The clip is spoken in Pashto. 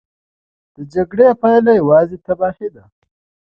د جګړې پایله یوازې تباهي ده.